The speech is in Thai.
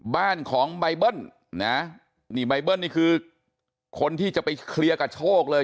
บ้านของใบเบิ้ลนะนี่ใบเบิ้ลนี่คือคนที่จะไปเคลียร์กับโชคเลย